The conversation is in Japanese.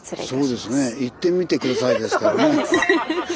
そうですね「行ってみて下さい」ですからね。